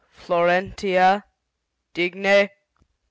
FLORENTIA . DIGNE